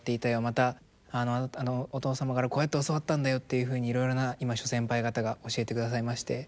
また「お父様からこうやって教わったんだよ」っていうふうにいろいろな今諸先輩方が教えてくださいまして。